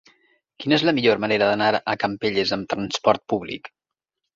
Quina és la millor manera d'anar a Campelles amb trasport públic?